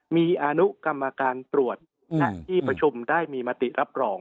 มีอนุกรรมการตรวจและที่ประชุมได้มีมติรับรอง